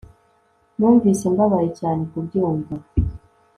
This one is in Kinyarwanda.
Numvise mbabaye cyane kubyumva